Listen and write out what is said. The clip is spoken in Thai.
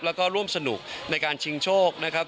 แล้วก็ร่วมสนุกในการชิงโชคนะครับ